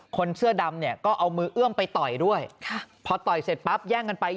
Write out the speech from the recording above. คนเสื้อดำเนี่ยก็เอามือเอื้อมไปต่อยด้วย